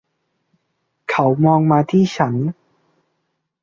เขามองมาที่ฉัน.